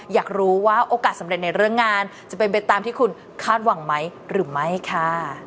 อยากรู้ว่าโอกาสสำเร็จในเรื่องงานจะเป็นไปตามที่คุณคาดหวังไหมหรือไม่ค่ะ